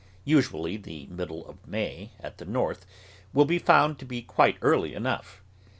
Usually the middle of 'May, at the North, will be found to be quite early enough.